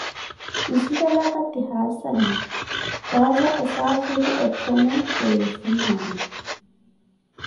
Nzinalaka ti Hassane, kaaza osaafiri otthome kiri nsimaana.